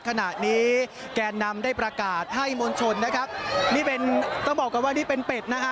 ขณะนี้แกนนำได้ประกาศให้มวลชนนะครับนี่เป็นต้องบอกกันว่านี่เป็นเป็ดนะฮะ